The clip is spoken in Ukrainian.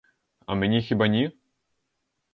А мені хіба ні?